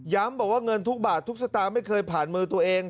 บอกว่าเงินทุกบาททุกสตางค์ไม่เคยผ่านมือตัวเอง